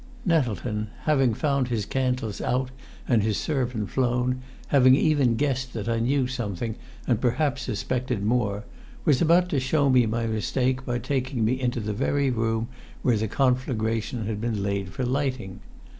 Nettleton, having found his candles out and his servant flown, having even guessed that I knew something and perhaps suspected more, was about to show me my mistake by taking me into the very room where the conflagration had been laid for lighting.